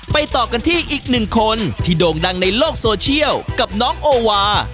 ต่อกันที่อีกหนึ่งคนที่โด่งดังในโลกโซเชียลกับน้องโอวา